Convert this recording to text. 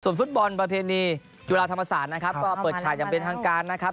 ฟุตบอลประเพณีจุฬาธรรมศาสตร์นะครับก็เปิดฉากอย่างเป็นทางการนะครับ